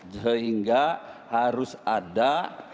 sehingga harus ada